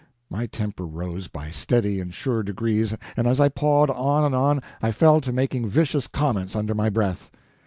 My temper rose, by steady and sure degrees, and as I pawed on and on, I fell to making vicious comments under my breath.